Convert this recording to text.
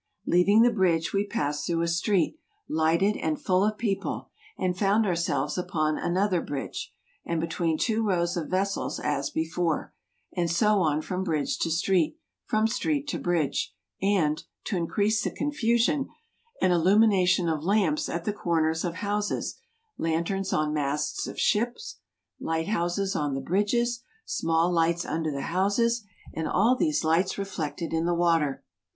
Leaving the bridge, we passed through a street, lighted, and full of people, and found ourselves upon another bridge, and between two rows of vessels as before, and so on from bridge to street, from street to bridge, and, to increase the confusion, an illumination of lamps at the corners of houses, lanterns on masts of ships, light houses on the bridges, small 196 EUROPE 197 lights under the houses, and all these lights reflected in the water.